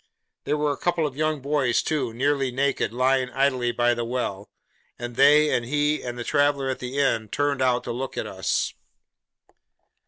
There were a couple of young boys, too, nearly naked, lying idle by the well; and they, and he, and the traveller at the inn, turned out to look at us.